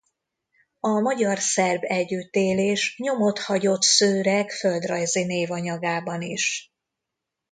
A magyar-szerb együttélés nyomot hagyott Szőreg földrajzinév-anyagában is.